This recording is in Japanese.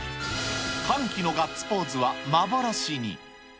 歓喜のガッツポーズは幻に。